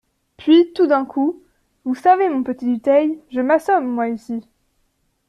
Puis, tout d'un coup : Vous savez, mon petit Dutheil, je m'assomme, moi, ici.